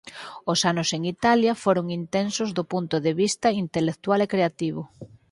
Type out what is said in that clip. Os anos en Italia foron intensos do punto de vista intelectual e creativo.